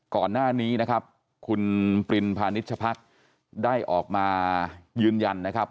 ก่อนหน้านี้นะครับคุณปรินพาณิชพักได้ออกมายืนยันนะครับ